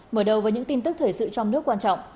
mở đầu với những tin tức thời sự trong nước quan trọng